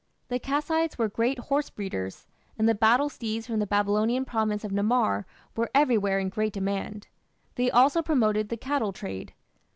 The Kassites were great horse breeders, and the battle steeds from the Babylonian province of Namar were everywhere in great demand. They also promoted the cattle trade.